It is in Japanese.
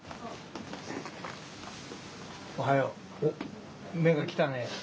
おはよう。おっ目が来たね。